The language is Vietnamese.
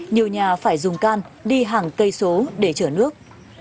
nhiều nhà phải dùng can đi hàng cây số để chở nước